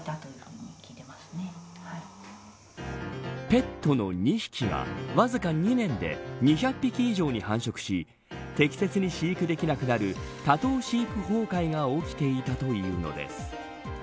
ペットの２匹がわずか２年で２００匹以上に繁殖し適切に飼育できなくなる多頭飼育崩壊が起きていたというのです。